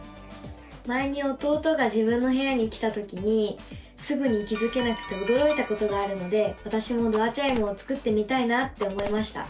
前に弟が自分の部屋に来たときにすぐに気付けなくておどろいたことがあるのでわたしもドアチャイムを作ってみたいなって思いました！